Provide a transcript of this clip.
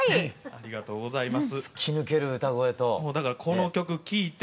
ありがとうございます。